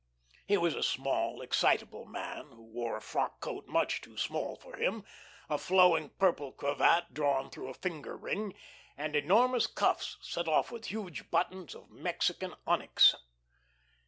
He was a small, excitable man who wore a frock coat much too small for him, a flowing purple cravatte drawn through a finger ring, and enormous cuffs set off with huge buttons of Mexican onyx.